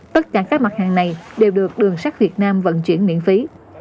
tất cả các mặt hàng này đều được đường sắt việt nam vận chuyển miễn phí